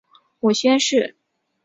母宣氏。